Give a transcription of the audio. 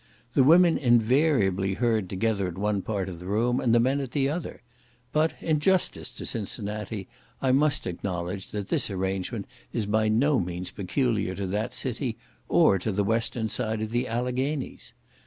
The women invariably herd together at one part of the room, and the men at the other; but, in justice to Cincinnati, I must acknowledge that this arrangement is by no means peculiar to that city, or to the western side of the Alleghanies.